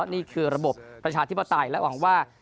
นี่คือระบบประชาธิปไตยและหวังว่า